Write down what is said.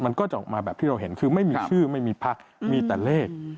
มันก็จะออกมาแบบที่เราเห็นคือไม่มีชื่อไม่มีพักมีแต่เลข